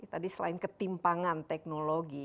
tadi selain ketimpangan teknologi